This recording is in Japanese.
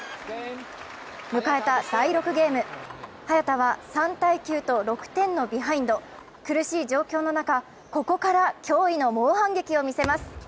迎えた第６ゲーム、早田は３−９と６点のビハインド、苦しい状況の中ここから驚異の猛反撃を見せます。